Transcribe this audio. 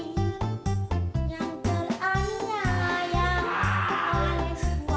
yang terayanya yang kukuhannya suami